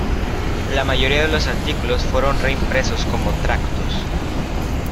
La mayoría de los artículos fueron reimpresos como tractos.